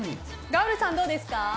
ガウルさん、どうですか？